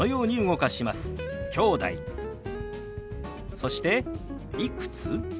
そして「いくつ？」。